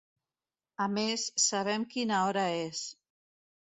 A més, sabem quina hora és.